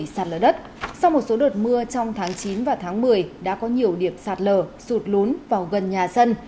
sau một số đợt mưa trong tháng chín và tháng một mươi đã có nhiều điểm sạt lở sụt lún vào gần nhà dân